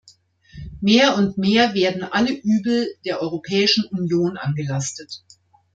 Mehr und mehr werden alle Übel der Europäischen Union angelastet.